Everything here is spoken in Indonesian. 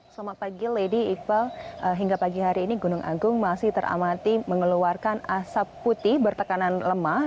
selamat pagi lady iqbal hingga pagi hari ini gunung agung masih teramati mengeluarkan asap putih bertekanan lemah